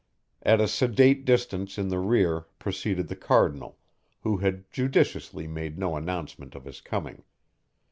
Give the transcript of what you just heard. At a sedate distance in the rear proceeded the Cardinal, who had judiciously made no announcement of his coming.